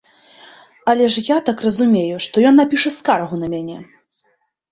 Але ж я так разумею, што ён напіша скаргу на мяне.